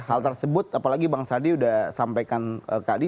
hal tersebut apalagi bang sandi sudah sampaikan tadi